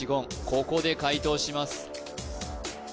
ここで解答します